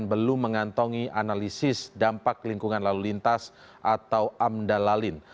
belum mengantongi analisis dampak lingkungan lalu lintas atau amdalalin